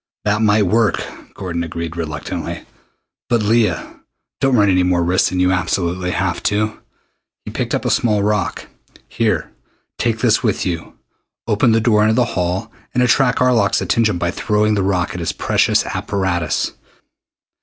"That might work," Gordon agreed reluctantly. "But, Leah, don't run any more risks than you absolutely have to!" He picked up a small rock. "Here, take this with you. Open the door into the hall and attract Arlok's attention by throwing the rock at his precious apparatus.